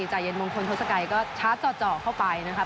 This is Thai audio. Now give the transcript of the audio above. ใจเย็นมงคลทศกัยก็ชาร์จเจาะเข้าไปนะครับ